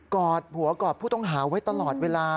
อดหัวกอดผู้ต้องหาไว้ตลอดเวลา